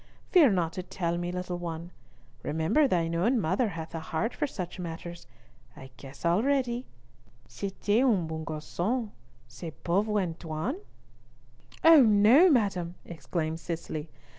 Fear not to tell me, little one. Remember thine own mother hath a heart for such matters. I guess already. C'etait un beau garcon, ce pauvre Antoine." "Oh no, madam," exclaimed Cicely.